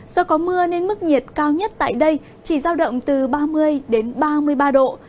do có mưa nên mức nhiệt cao nhất tại đây chỉ giao động từ ba mươi đến ba mươi ba độ